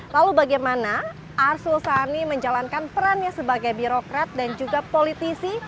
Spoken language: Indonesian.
lalu bagaimana arsul sani menjalankan perannya sebagai birokrat dan juga politisi